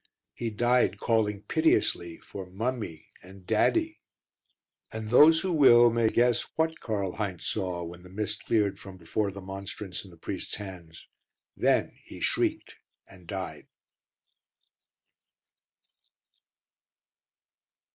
He died calling piteously for "mummy" and "daddy." And those who will may guess what Karl Heinz saw when the mist cleared from before the monstrance in the priest's hands. Then he shrieked and died.